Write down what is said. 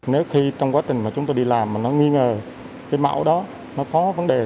nếu khi trong quá trình mà chúng tôi đi làm mà nó nghi ngờ cái mẫu đó nó có vấn đề